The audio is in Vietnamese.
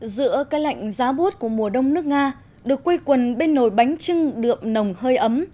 giữa cái lạnh giá bút của mùa đông nước nga được quây quần bên nồi bánh trưng đượm nồng hơi ấm